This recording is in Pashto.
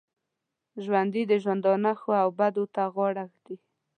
ژوندي د ژوندانه ښو او بدو ته غاړه ږدي